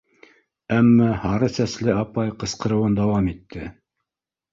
Әммә һары сәсле апай ҡысҡырыуын дауам итте: